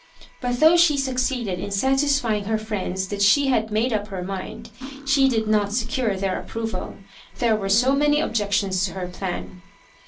. But though she succeeded in satisfying her friends that she had made up her mind, she did not secure their approval There were so many objections to her plan.